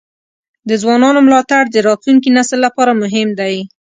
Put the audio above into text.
د ځوانانو ملاتړ د راتلونکي نسل لپاره مهم دی.